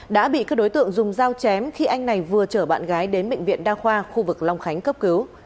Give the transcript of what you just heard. đã bị các đối tượng dùng dao chém khi anh này vừa chở bạn gái đến bệnh viện đa khoa khu vực long khánh cấp cứu